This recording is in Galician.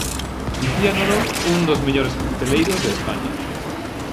Dicíanolo un dos mellores cocteleiros de España.